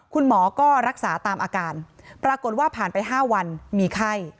คุณหมอก็รักษาตามอาการปรากฏว่าผ่านไป๕วันมีไข้